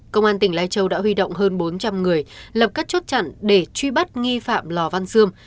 công an tỉnh lai châu đã huy động hơn bốn trăm linh người lập các chốt chặn để truy bắt nghi phạm lò văn xương